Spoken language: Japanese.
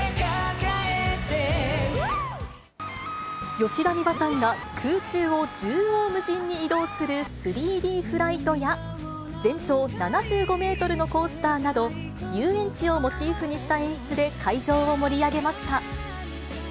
吉田美和さんが空中を縦横無尽に移動する３Ｄフライトや、全長７５メートルのコースターなど、遊園地をモチーフにした演出で会場を盛り上げました。